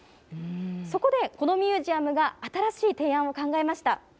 そこでこのミュージアムが新しい提案を考えました。